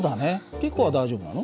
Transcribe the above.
リコは大丈夫なの？